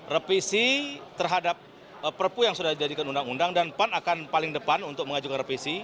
revisi terhadap perpu yang sudah dijadikan undang undang dan pan akan paling depan untuk mengajukan revisi